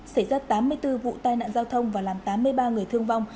xảy ra tám mươi bốn vụ tai nạn giao thông và làm tám mươi ba người thương vong